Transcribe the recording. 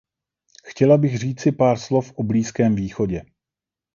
Chtěla bych říci pár slov o Blízkém východě.